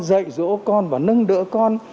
dạy dỗ con và nâng đỡ con